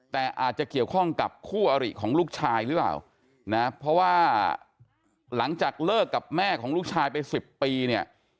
แต่อาจจะเกี่ยวข้องกับคู่อริของลูกชายหรือเปล่านะเพราะว่าหลังจากเลิกกับแม่ของลูกชายไป๑๐ปีเนี่ย